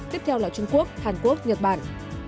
tiếp theo là trung quốc hàn quốc nhật bản